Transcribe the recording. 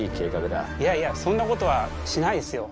いやいやそんなことはしないですよ。